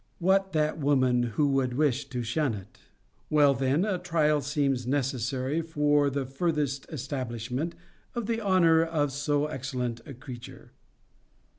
What that woman who would wish to shun it?' Well, then, a trial seems necessary for the furthest establishment of the honour of so excellent a creature.